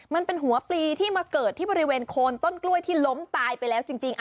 มันเป็นหัวปลีที่มาเกิดที่บริเวณโคนต้นกล้วยที่ล้มตายไปแล้วจริง